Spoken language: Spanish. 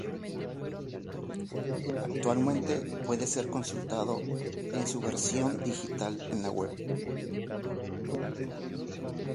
Actualmente puede ser consultado en su versión digital en la web.